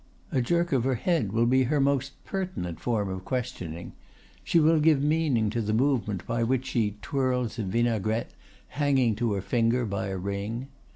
A jerk of her head will be her most pertinent form of questioning; she will give meaning to the movement by which she twirls a vinaigrette hanging to her finger by a ring.